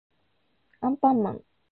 あんぱんまん